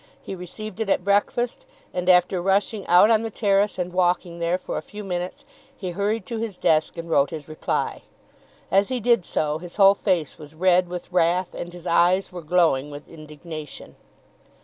He received it at breakfast, and after rushing out on the terrace and walking there for a few minutes, he hurried to his desk and wrote his reply. As he did so, his whole face was red with wrath, and his eyes were glowing with indignation.